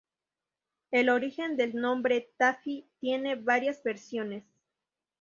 El origen del nombre Tafí tiene varias versiones.